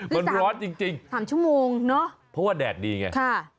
มันร้อนจริง๓ชั่วโมงเนอะเพราะว่าแดดดีไงค่ะ